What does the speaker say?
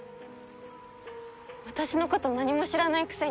私のこと何も知らないくせに。